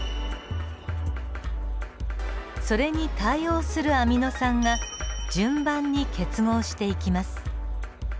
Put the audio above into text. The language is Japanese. それに対応するアミノ酸が順番に結合していきます。